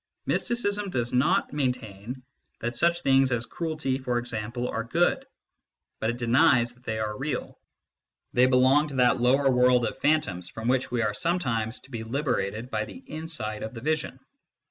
Mysticism does not maintain that such things as cruelty, for example, are good, but it denies that they are real : they belong to that lower MYSTICISM AND LOGIC II world of phantoms from which we are to be liberated by the insight of the vision.